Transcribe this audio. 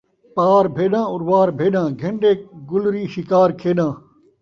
پار بھیݙاں، اُروار بھیݙاں، گھن ݙے گُلری شکار کھیݙاں